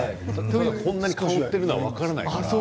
こんなに香っているのは分からない。